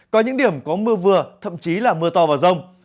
có những điểm có mưa vừa thậm chí là mưa to và rông